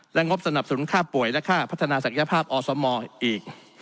และงบสนับสนุนค่าป่วยและค่าพัฒนาศักยภาพอสมอีก